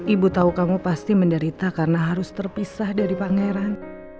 ibu tahu kamu pasti menderita karena harus terpisah dari pangeran